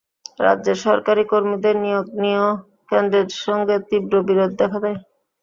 রাজ্যের সরকারি কর্মীদের নিয়োগ নিয়েও কেন্দ্রের সঙ্গে তীব্র বিরোধ দেখা দেয়।